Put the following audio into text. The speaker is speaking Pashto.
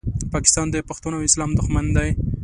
پاکستان د پښتنو او اسلام دوښمن دی